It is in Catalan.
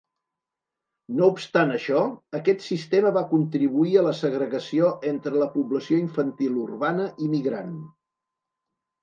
No obstant això, aquest sistema va contribuir a la segregació entre la població infantil urbana i migrant.